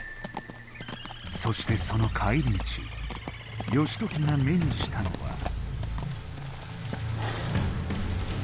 そしてその帰り道義時が目にしたのは。